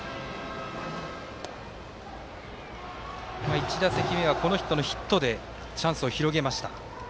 １打席目はこの人のヒットでチャンスを広げました。